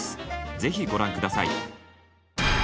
ぜひご覧下さい。